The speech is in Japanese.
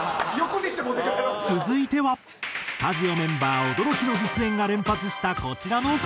続いてはスタジオメンバー驚きの実演が連発したこちらの回。